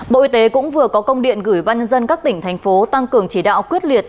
bộ y tế cũng vừa có công điện gửi ban nhân dân các tỉnh thành phố tăng cường chỉ đạo quyết liệt